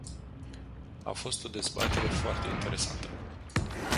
A fost o dezbatere foarte interesantă.